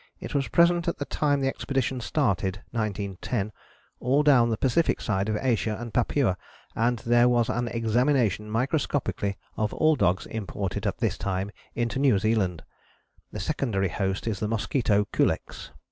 It was present at the time the expedition started (1910) all down the Pacific side of Asia and Papua, and there was an examination microscopically of all dogs imported at this time into New Zealand. The secondary host is the mosquito Culex.